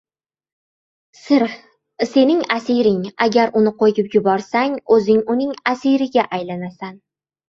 • Sir — sening asiring: agar uni qo‘yib yuborsang, o‘zing uning asiriga aylanasan.